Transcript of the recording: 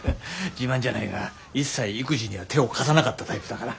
自慢じゃないが一切育児には手を貸さなかったタイプだから。